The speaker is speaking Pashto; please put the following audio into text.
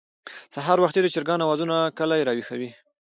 سهار وختي د چرګانو اوازونه کلى راويښوي.